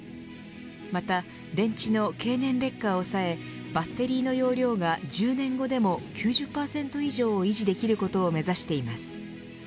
また、電池の経年劣化を抑えバッテリーの容量が１０年後でも９０％以上、維持できることを目指しています。